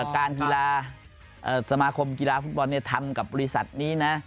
การกีฬาสมาคมกีฬาฟุตบอลทำกับบริษัทนี้นะ